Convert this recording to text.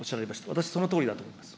私は、そのとおりだと思います。